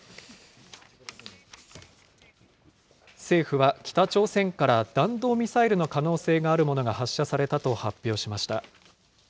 政府は北朝鮮から弾道ミサイルの可能性があるものが発射されたと発表しました。